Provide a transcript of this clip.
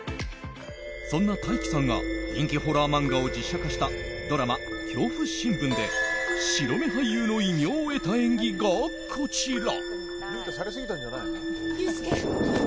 そんな大樹さんが人気ホラー漫画を実写化したドラマ「恐怖新聞」で白目俳優の異名を得た演技がこちら。